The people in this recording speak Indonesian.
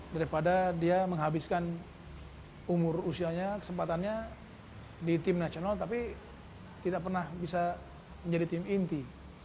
daripada dia menghabiskan umur usianya kesempatannya di tim nasional tapi tidak pernah bisa menjadi tim inti